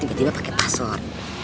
tiba tiba pake password